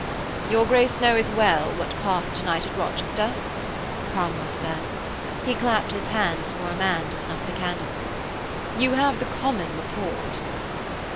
'Your Grace knoweth well what passed to night at Rochester,' Cromwell said. He clapped his hands for a man to snuff the candles. 'You have the common report.'